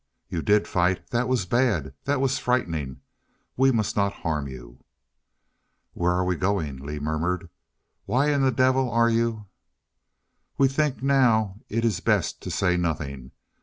"You did fight. That was bad that was frightening. We must not harm you " "Where are we going?" Lee murmured. "Why in the devil are you " "We think now it is best to say nothing.